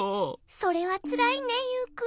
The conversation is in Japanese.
それはつらいねユウくん。